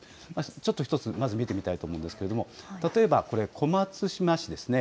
ちょっと１つ、まず、見てみたいと思うんですけれども、例えばこれ、小松島市ですね。